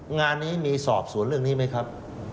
งานนี้มีสอบสวนเรื่องนี้ไหมครับ